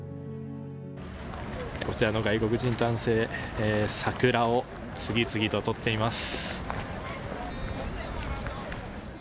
こちらの外国人男性桜を次々と撮っています。